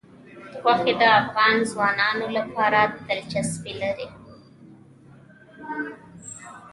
غوښې د افغان ځوانانو لپاره دلچسپي لري.